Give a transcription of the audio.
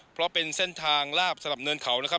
เพราะเป็นเส้นทางลาบสำหรับเนินเขานะครับ